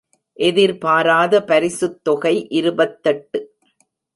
எதிர்பாராத பரிசுத்தொகை இருபத்தெட்டு.